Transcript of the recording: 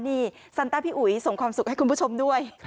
นี่ซันต้าพี่อุ๋ยส่งความสุขให้คุณผู้ชมด้วย